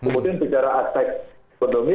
kemudian bicara aspek ekonomi